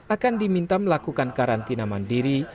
akan diminta melakukan karantina mandiri